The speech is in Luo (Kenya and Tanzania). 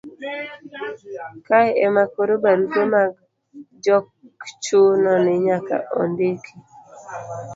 kae ema koro barupe mag jok chuno ni nyaka ndiki